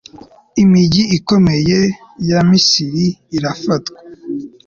imigi ikomeye y'abanyamisiri irafatwa